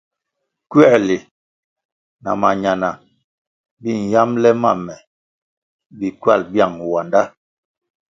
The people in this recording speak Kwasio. Kuerli na mañana bi nyambele ma me bi ckywal biang wandá.